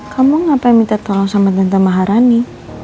kenapa minta tolong sama tante maharani